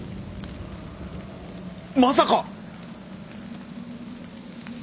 まさか！